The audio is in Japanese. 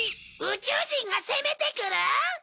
宇宙人が攻めてくる！？